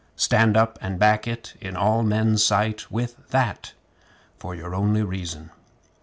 Stand up and back it in all men's sight With that for your only reason!